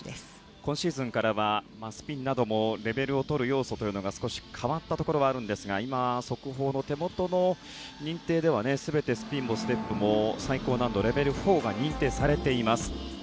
今シーズンからはスピンなどもレベルをとる要素が少し変わったところはありますが今、速報の手元の認定では全てスピンもステップも最高難度レベル４が認定されています。